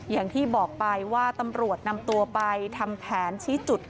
อย่างที่บอกไปว่าตำรวจนำตัวไปทำแผนชี้จุด